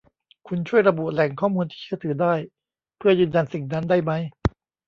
คุณช่วยระบุแหล่งข้อมูลที่เชื่อถือได้เพื่อยืนยันสิ่งนั้นได้มั้ย